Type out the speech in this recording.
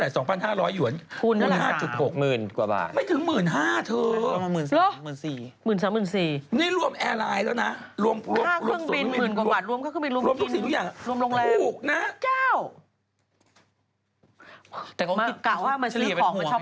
กล่าวว่ามาซื้อของมาช้อปปิ้งเนี่ย